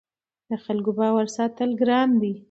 د خلکو باور ساتل ګران دي